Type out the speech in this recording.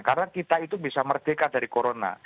karena kita itu bisa merdeka dari corona